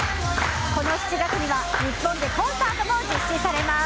この７月には日本でコンサートも実施されます。